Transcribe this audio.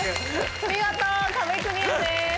見事壁クリアです。